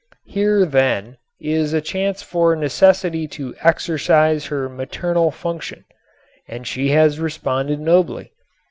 Here, then, is a chance for Necessity to exercise her maternal function. And she has responded nobly.